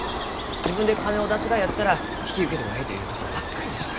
自分で金を出すがやったら引き受けてもえいと言うところばっかりでした。